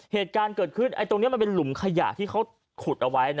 เหตุการณ์เกิดขึ้นตรงนี้มันเป็นหลุมขยะที่เขาขุดเอาไว้